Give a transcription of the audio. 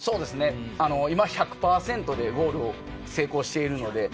今１００％でゴールを成功しているので。